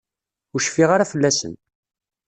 Ur cfiɣ ara fell-asen.